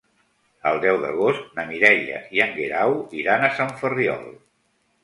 El deu d'agost na Mireia i en Guerau iran a Sant Ferriol.